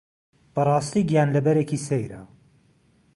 بەڕاستی گیانلەبەرێکی سەیرە